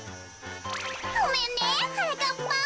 ごめんねはなかっぱん。